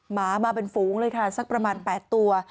หมามาเป็นฝูงเลยค่ะสักประมาณ๘ตัว